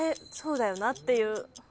そうだよなっていう。